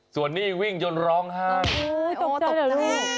ส่วนนี้วิ่งจนร้องห้ามโอ้โหตกใจเหรอลูก